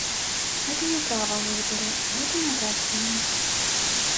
Гэта не права выбару, гэта навязванне.